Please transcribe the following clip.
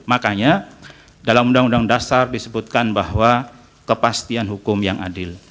makanya dalam undang undang dasar disebutkan bahwa kepastian hukum yang adil